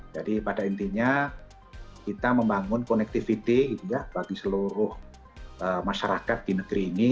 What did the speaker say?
jadi pada intinya kita membangun konektivitas bagi seluruh masyarakat di negeri ini